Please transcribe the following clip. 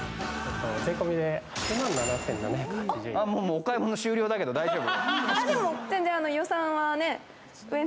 お買い物終了だけど大丈夫？